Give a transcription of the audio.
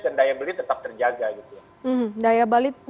dan daya beli tetap terjaga gitu